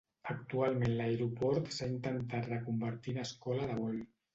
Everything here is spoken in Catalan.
Actualment l’aeroport s’ha intentat reconvertir en escola de vol.